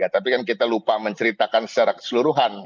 tapi kan kita lupa menceritakan secara keseluruhan